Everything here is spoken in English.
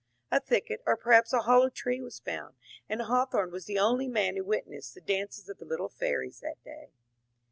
A thicket or perhaps a hollow tree was found, and Hawthorne was the only man who witnessed the dances of the little fairies that day.